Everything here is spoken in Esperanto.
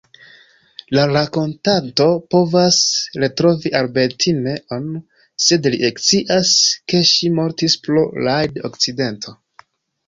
La rakontanto provas retrovi Albertine-on, sed li ekscias ke ŝi mortis pro rajd-akcidento.